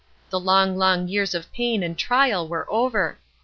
The long, long years of pain and trial were over!